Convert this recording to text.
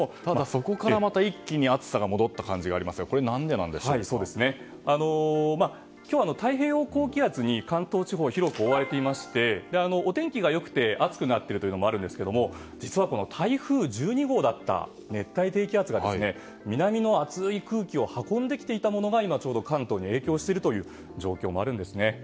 そこからまた一気に暑さが戻った感じがありますが今日は太平洋高気圧に関東地方は広く覆われていましてお天気が良くて暑くなっているというのもあるんですけども実は台風１２号だった熱帯低気圧が南の暑い空気を運んできていたものが今、ちょうど関東に影響しているという状況もあるんですね。